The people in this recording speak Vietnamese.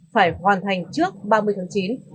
phải hoàn thành trước ba mươi tháng chín